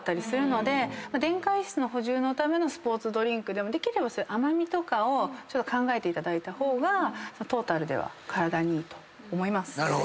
電解質の補充のためのスポーツドリンクでもできれば甘味とかを考えていただいた方がトータルでは体にいいと思います。